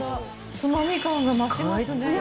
ツマミ感が増しますね。